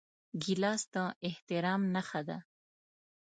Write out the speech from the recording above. ګیلاس د احترام نښه ده.